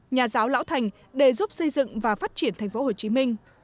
nhà giáo lão thành để giúp xây dựng và phát triển tp hcm